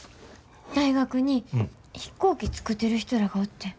大学に飛行機作ってる人らがおってん。